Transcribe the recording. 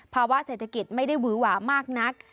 ภาวะเศรษฐกิจไม่ได้หวือหวามากนัก